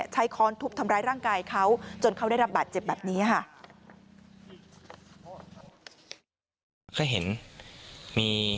ค้อนทุบทำร้ายร่างกายเขาจนเขาได้รับบาดเจ็บแบบนี้ค่ะ